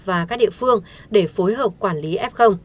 và các địa phương để phối hợp quản lý f